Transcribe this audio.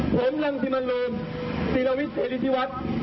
ผมรังสิมรูมศิลวิทย์เฮริษีวัฒน์